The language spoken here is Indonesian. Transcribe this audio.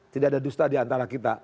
tidak ada dusta di antara kita